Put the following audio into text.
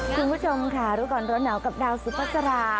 คุณผู้ชมค่ะรู้ก่อนร้อนหนาวกับดาวสุภาษา